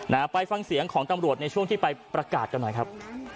นะฮะไปฟังเสียงของตำรวจในช่วงที่ไปประกาศกันหน่อยครับ